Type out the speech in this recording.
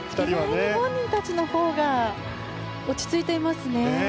本人たちのほうが落ち着いていますね。